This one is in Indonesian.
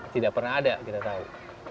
tidak pernah ada kita tahu